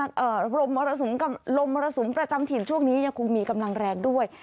ลมมรสมประจำถิ่นช่วงนี้ยังคงมีกำลังแรงด้วย